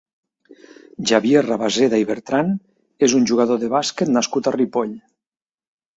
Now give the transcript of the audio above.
Xavier Rabaseda Bertran és un jugador de bàsquet nascut a Ripoll.